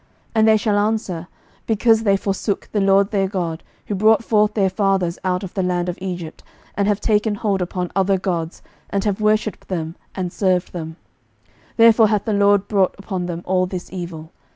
11:009:009 And they shall answer, Because they forsook the LORD their God, who brought forth their fathers out of the land of Egypt, and have taken hold upon other gods, and have worshipped them, and served them: therefore hath the LORD brought upon them all this evil.